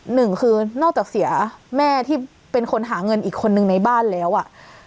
หนึ่งคือนอกจากเสียแม่ที่เป็นคนหาเงินอีกคนนึงในบ้านแล้วอ่ะ